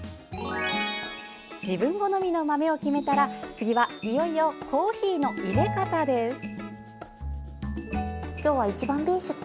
自分好みの豆を決めたら次は、いよいよコーヒーのいれ方です。